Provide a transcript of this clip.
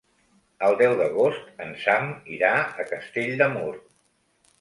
El deu d'agost en Sam irà a Castell de Mur.